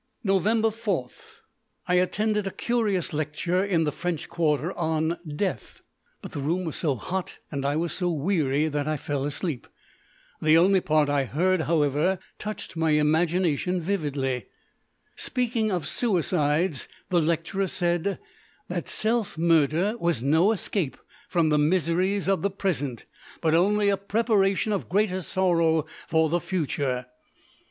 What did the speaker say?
Nov. 4. I attended a curious lecture in the French quarter on "Death", but the room was so hot and I was so weary that I fell asleep. The only part I heard, however, touched my imagination vividly. Speaking of suicides, the lecturer said that self murder was no escape from the miseries of the present, but only a preparation of greater sorrow for the future.